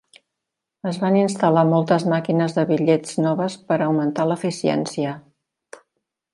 Es van instal·lar moltes màquines de bitllets noves per augmentar l'eficiència.